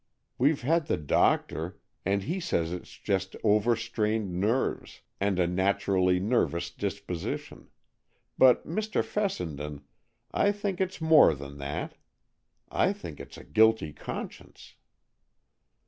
We've had the doctor, and he says it's just overstrained nerves and a naturally nervous disposition; but, Mr. Fessenden, I think it's more than that; I think it's a guilty conscience."